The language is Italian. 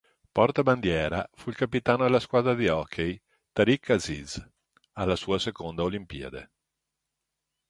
Portabandiera fu il capitano della squadra di hockey Tariq Aziz, alla sua seconda Olimpiade.